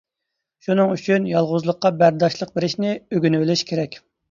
شۇنىڭ ئۈچۈن يالغۇزلۇققا بەرداشلىق بېرىشنى ئۆگىنىۋېلىش كېرەك.